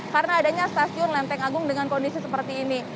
karena adanya stasiun lenteng agung dengan kondisi seperti ini